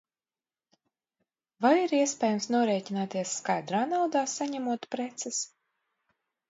Vai ir iespējams norēķināties skaidrā naudā, saņemot preces?